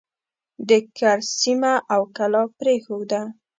د کرز سیمه او کلا پرېښوده.